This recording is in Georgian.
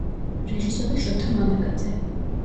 რეჟისორი შოთა მანაგაძე.